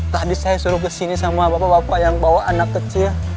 tadi saya suruh kesini sama bapak bapak yang bawa anak kecil